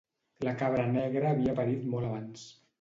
La cabra negra havia parit molt abans.